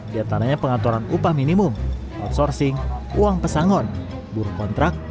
di antaranya pengaturan upah minimum outsourcing uang pesangon buruh kontrak